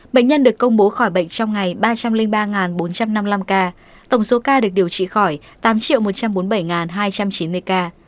bệnh nhân được công bố khỏi bệnh trong ngày ba trăm linh ba bốn trăm năm mươi năm ca tổng số ca được điều trị khỏi tám một trăm bốn mươi bảy hai trăm chín mươi ca